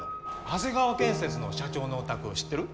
長谷川建設の社長のお宅知ってる？